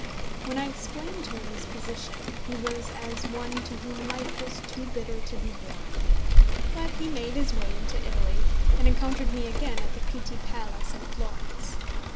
When I explained to him his position, he was as one to whom life was too bitter to be borne. But he made his way into Italy, and encountered me again at the Pitti Palace in Florence.